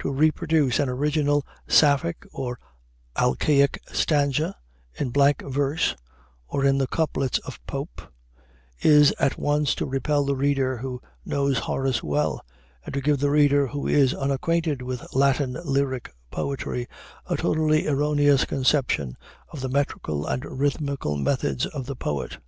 To reproduce an original Sapphic or Alcaic stanza in blank verse, or in the couplets of Pope, is at once to repel the reader who knows Horace well, and to give the reader who is unacquainted with Latin lyric poetry a totally erroneous conception of the metrical and rhythmical methods of the poet.